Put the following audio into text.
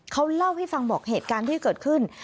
เขาเล่าให้ฟังบอกเหตุการณ์ที่เกิดขึ้น